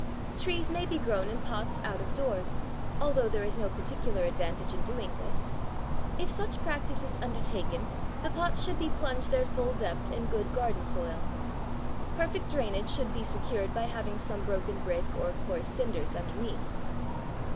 Trees may be grown in pots out of doors, although there is no particular advantage in doing this. If such practise is undertaken the pots should be plunged their full depth in good garden soil. Perfect drainage should be secured by having some broken brick or coarse cinders underneath.